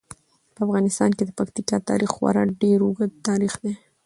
په افغانستان کې د پکتیکا تاریخ خورا ډیر اوږد تاریخ دی.